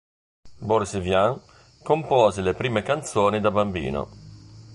Boris Vian compose le prime canzoni da bambino.